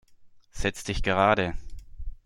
Setzt dich gerade!